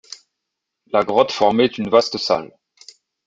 La grotte formait une vaste salle.